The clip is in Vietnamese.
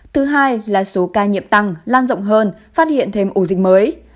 thứ hai là số ca nhiễm tăng lan rộng hơn phát hiện thêm ổ dịch mới